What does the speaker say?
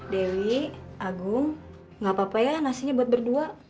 dewi agung nggak apa apa ya nasinya buat berdua